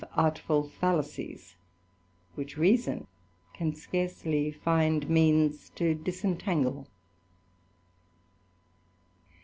artful fallacies, which reason can scarcely find means disentangle.